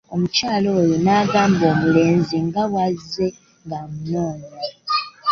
Omukyala oyo nagamba omulenzi nga bwazze ng'amunoonya.